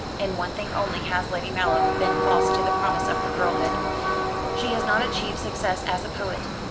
In one thing only has Lady Mallow been false to the promise of her girlhood. She has not achieved success as a poet.